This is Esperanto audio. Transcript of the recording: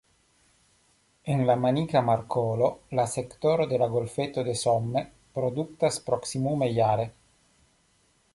En la Manika Markolo, la sektoro de la Golfeto de Somme produktas proksimume jare.